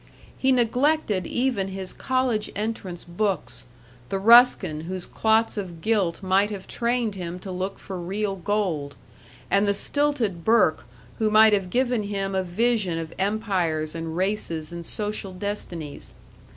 He neglected even his college entrance books, the Ruskin whose clots of gilt might have trained him to look for real gold, and the stilted Burke who might have given him a vision of empires and races and social destinies.